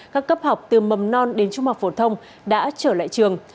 các cấp học từ mầm non đến trung học phổ thông đã trở lại trường